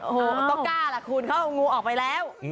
โอ้โหต้องกล้าล่ะคุณเขาเอางูออกไปแล้ว